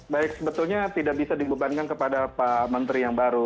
baik sebetulnya tidak bisa dibebankan kepada pak menteri yang baru